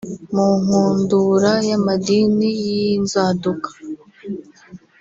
mu nkundura y’amadini y’inzaduka